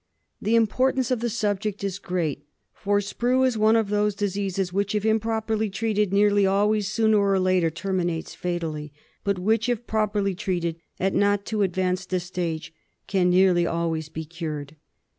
The importance of the subject is great, for Sprue is one of those diseases which, if improperly treated, nearly always sooner or later terminates fatally ; but which, if properly treated at not too advanced a stage, can nearly always be cured.